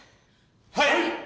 はい！